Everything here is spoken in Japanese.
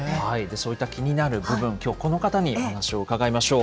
そういった気になる部分、きょう、この方にお話を伺いましょう。